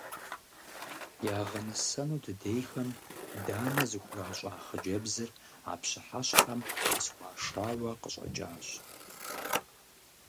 Ягъэнысэну дыдейхэм данэ зыхуращӀа хъыджэбзыр а пщыхьэщхьэм къысхуашауэ къыщӀэкӀащ.